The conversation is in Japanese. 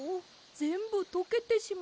ぜんぶとけてしまって。